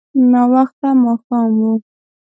ناوخته ماښام و.